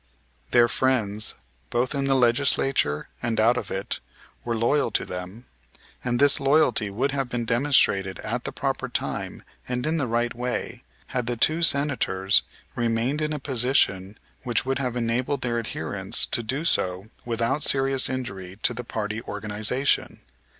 Their friends, both in the Legislature and out of it, were loyal to them, and this loyalty would have been demonstrated at the proper time and in the right way had the two Senators remained in a position which would have enabled their adherents to do so without serious injury to the party organization.